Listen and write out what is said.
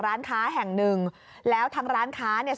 ร้านค้าแห่งหนึ่งแล้วทางร้านค้าเนี่ย